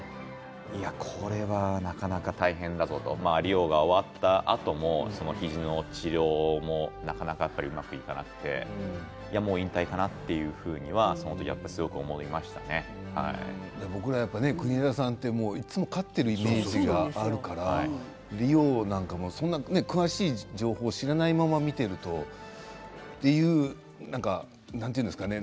これはなかなか大変だぞとリオが終わったあとも肘の治療もなかなかうまくいかなくてもう引退かなというふうには僕ら国枝さんっていつも勝っているイメージがあるからリオなんかそんな詳しい情報を知らないまま見ているとなんて言うんですかね